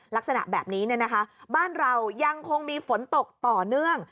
ลักษณะแบบนี้บ้านเรายังคงมีฝนตกต่อเนื่อง